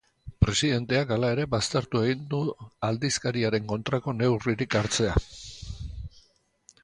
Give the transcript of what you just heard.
Presidenteak, hala ere, baztertu egin du aldizkariaren kontrako neurririk hartzea.